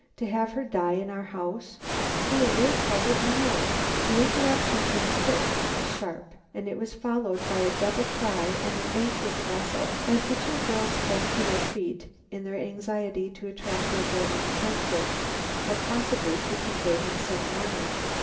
To have her die in our house! O, there's Howard now!" The interruption came quick and sharp, and it was followed by a double cry and an anxious rustle, as the two girls sprang to their feet in their anxiety to attract their brother's attention or possibly to convey him some warning.